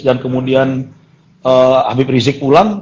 dan kemudian habib rizik pulang